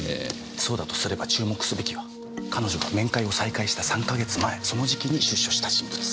そうだとすれば注目すべきは彼女が面会を再開した３か月前その時期に出所した人物。